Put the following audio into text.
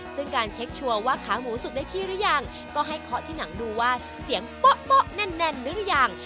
ซึ่งการเช็คชัวร์ว่าขาหมูสุกได้ที่หรือยังก็ให้เคาะที่หนังดูว่าเสียงโป๊ะแน่นหรือยัง